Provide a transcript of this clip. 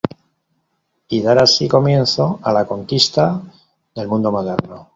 Y dar así comienzo, a la conquista del mundo moderno.